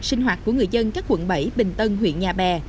sinh hoạt của người dân các quận bảy bình tân huyện nhà bè